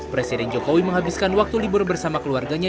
presiden jokowi menghabiskan waktu libur bersama keluarganya